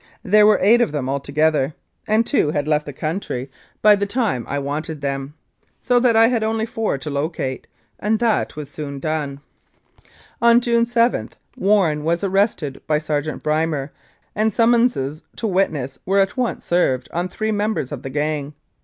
There were eight of them altogether, and two had left the country by the 270 Incidents of Mounted Police Life time I wanted them, so that I had only four to locate, and that was soon done. On June 7 Warren was arrested by Sergeant Brymer, and summonses to wit ness were at once served on three members of the gang.